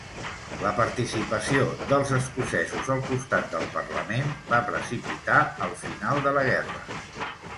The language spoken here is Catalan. La participació dels escocesos al costat del Parlament, va precipitar el final de la guerra.